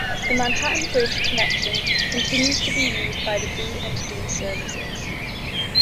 The Manhattan Bridge connection continues to be used by the B and D services.